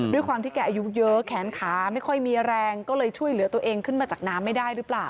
ด้วยความที่แกอายุเยอะแขนขาไม่ค่อยมีแรงก็เลยช่วยเหลือตัวเองขึ้นมาจากน้ำไม่ได้หรือเปล่า